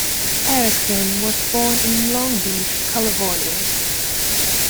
Erickson was born in Long Beach, California.